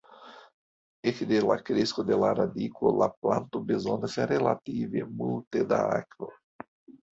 Ekde la kresko de la radiko la planto bezonas relative multe da akvo.